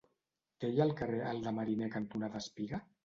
Què hi ha al carrer Alt de Mariner cantonada Espiga?